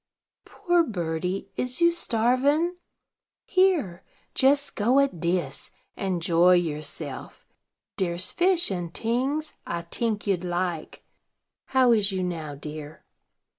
"Poor birdie, is you starvin'? Here, jes go at dis, and joy yourself. Dere's fish and tings I tink you'd like. How is you now, dear?"